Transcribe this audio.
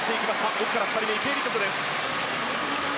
奥から２人目池江璃花子です。